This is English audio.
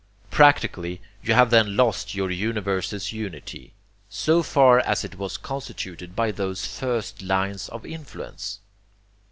Practically, you have then lost your universe's unity, SO FAR AS IT WAS CONSTITUTED BY THOSE FIRST LINES OF INFLUENCE.